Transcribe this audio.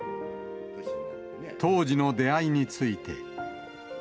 当時の出会いについて。